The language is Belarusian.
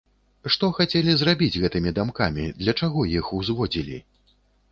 Што хацелі зрабіць гэтымі дамкамі, для чаго іх узводзілі?